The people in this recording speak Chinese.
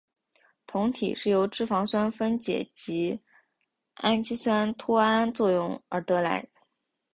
酮体是由脂肪酸分解以及氨基酸脱氨作用而得来。